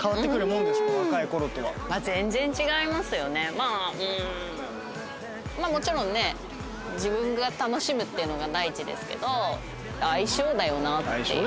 まあもちろんね自分が楽しむっていうのが第一ですけど相性だよなっていう。